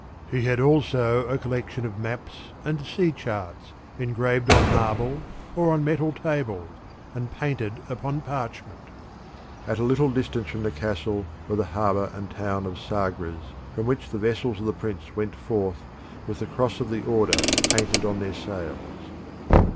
He had also a collection of maps and sea charts engraved on marble or on metal tables, and painted upon parchment. At a little distance from the castle were the harbour and town of Sagres, from which the vessels of the Prince went forth with the cross of the order painted on their sails.